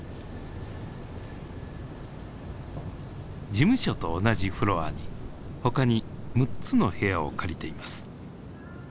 事務所と同じフロアに他に６つの部屋を借りています。